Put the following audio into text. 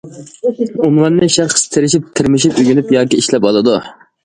ئۇنۋاننى شەخس تىرىشىپ-تىرمىشىپ ئۆگىنىپ ياكى ئىشلەپ ئالىدۇ.